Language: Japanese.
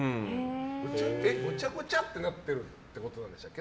ごちゃごちゃってなってるってことですか？